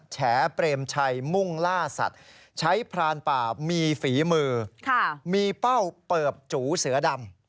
แฉเปรมชัยมุ่งล่าสัตว์ใช้พรานป่ามีฝีมือมีเป้าเปิบจูเสือดำ